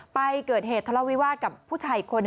ไปเกิดเหตุทะเลาวิวาสกับผู้ชายอีกคน